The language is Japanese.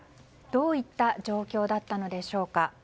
どういった状況だったのでしょうか。